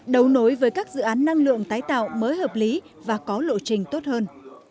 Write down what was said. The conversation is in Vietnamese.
đấu nối với các dự án năng lượng tái tạo mới hợp lý và có lộ trình tốt hơn